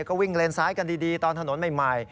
ก็วิ่งเลนซ้ายกันดีตอนถนนใหม่